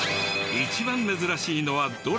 一番珍しいのはどれ？